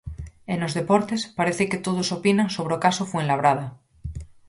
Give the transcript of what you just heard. E nos deportes, parece que todos opinan sobre o caso Fuenlabrada.